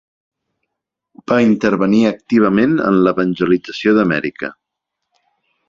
Van intervenir activament en l'evangelització d'Amèrica.